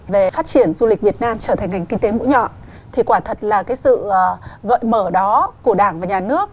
về phát triển du lịch việt nam trở thành ngành kinh tế mũi nhọn thì quả thật là cái sự gợi mở đó của đảng và nhà nước